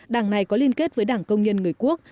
đảng này có liên kết với đảng công nhân người quốc